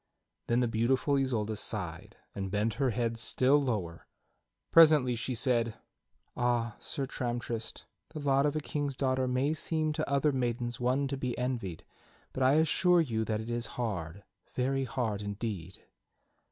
Then the beautiful Isolda sighed and bent her head still lower. Presently she said: "Ah! Sir Tramtrist, the lot of a king's daughter may seem to other maidens one to be envied, but I assure you that it is hard, very hard indeed."